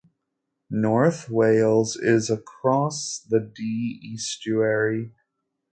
North Wales is across the Dee Estuary.